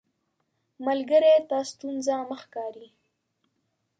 ملګری ته ستونزه مه ښکاري